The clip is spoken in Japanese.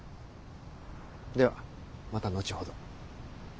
ではまた後ほど。